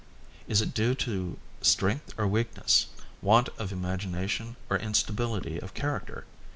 Is it due to strength or weakness, want of imagination or instability of character?